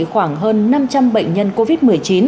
khoảng hơn năm trăm linh bệnh nhân covid một mươi chín